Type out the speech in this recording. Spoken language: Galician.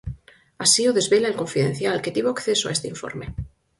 Así o desvela El Confidencial, que tivo acceso a este informe.